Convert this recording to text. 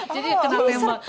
jadi kenapa ya mbak